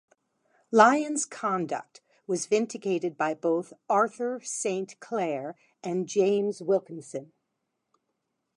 Lyon's conduct was vindicated by both Arthur Saint Clair and James Wilkinson.